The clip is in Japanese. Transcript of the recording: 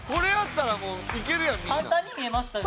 簡単に見えましたよね。